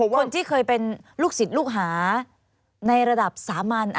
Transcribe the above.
คนที่เคยเป็นลูกศิษย์ลูกหาในระดับสามัญ